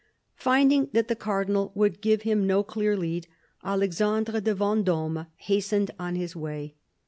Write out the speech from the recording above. Finding that the Cardinal would give him no clear lead, Alexandre de Venddme hastened on his way.